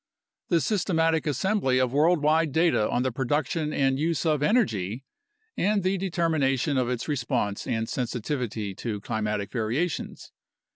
The systematic assembly of worldwide data on the production and use of energy and the determination of its response and sensitivity to climatic variations.